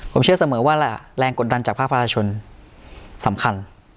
ผมเชื่อเสมอว่าแรงกดดันจากภาคประชาชนสำคัญ